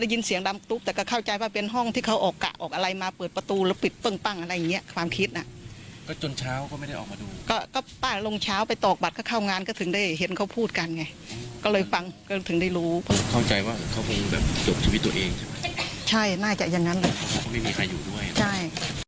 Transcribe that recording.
ถึงได้รู้เข้าใจว่าเขาคงแบบจบชีวิตตัวเองใช่ไหมใช่น่าจะอย่างนั้นเลยเขาไม่มีอายุด้วยใช่